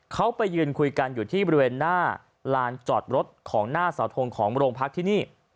เขาไปยืนคุยกันอยู่ที่บริเวณหน้าลานจอดรถของหน้าเสาทงของโรงพักที่นี่